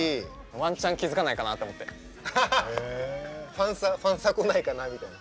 ファンサファンサ来ないかなみたいな。